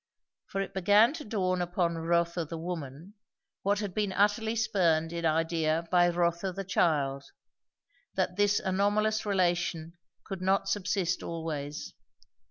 For it began to dawn upon Rotha the woman, what had been utterly spurned in idea by Rotha the child, that this anomalous relation could not subsist always.